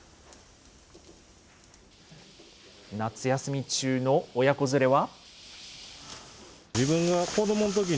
夏休み中の親子連れは。